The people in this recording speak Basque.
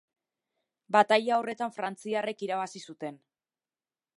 Bataila horretan frantziarrek irabazi zuten.